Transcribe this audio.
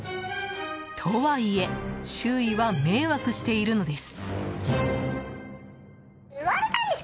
とはいえ周囲は迷惑しているのです。